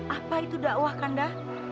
apa itu dakwah kanda